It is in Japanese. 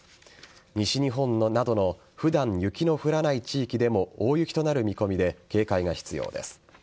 西日本などのふだん雪の降らない地域でも大雪となる見込みで、警戒が必要です。